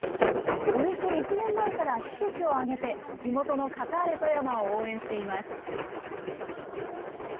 およそ１年前から施設を挙げて、地元のカターレ富山を応援しています。